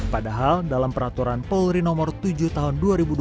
padahal dalam peraturan polri nomor tujuh tahun dua ribu dua puluh